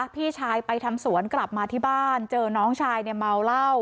พี่ชายไปทำสวนกลับมาที่บ้านเจอน้องชายเมาเหล้า